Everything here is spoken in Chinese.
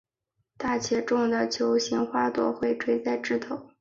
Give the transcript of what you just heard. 大且重的球形花朵会垂在枝头。